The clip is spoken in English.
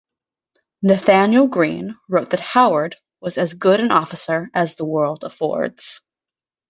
Nathanael Greene wrote that Howard was as good an officer as the world affords.